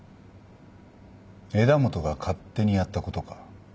枝元が勝手にやったことか？